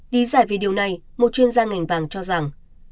lý giải về điều này một chuyên gia ngành vàng cho rằng